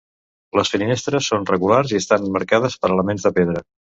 Les finestres són regulars i estan emmarcades per elements de pedra.